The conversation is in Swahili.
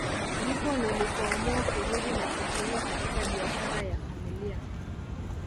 Ndipo nilipoamua kurudi na kujiunga katika biashara ya familia